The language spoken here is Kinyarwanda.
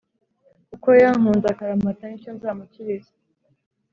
kuko yankunze akaramata ni cyo nzamukiriza,